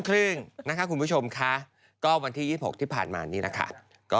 ครึ่งนะคะคุณผู้ชมค่ะก็วันที่๒๖ที่ผ่านมานี่แหละค่ะ